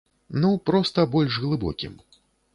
Ну, проста, больш глыбокім.